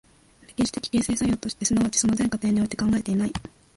歴史的形成作用として、即ちその全過程において考えていない。